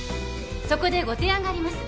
そこでご提案があります。